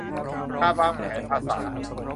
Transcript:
การวางแผนภาษา